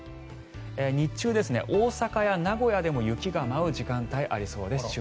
日中、大阪や名古屋でも雪が舞う時間帯がありそうです。